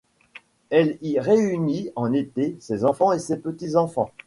Elle y réunit en été ses enfants et petits-enfants.